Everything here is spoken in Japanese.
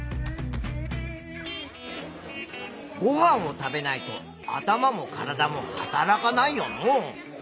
ごはんを食べないと頭も体も働かないよのう。